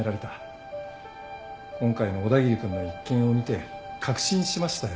今回の小田切君の一件を見て確信しましたよ。